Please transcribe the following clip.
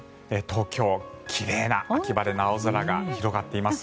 東京、奇麗な秋晴れの青空が広がっています。